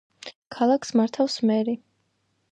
ქალაქს მართავს მერი.